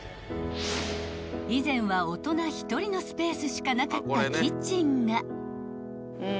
［以前は大人１人のスペースしかなかったキッチンが］